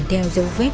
theo dấu vết